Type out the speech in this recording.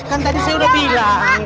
kan tadi saya sudah bilang